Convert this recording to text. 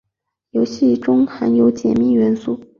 游戏中含有解密元素。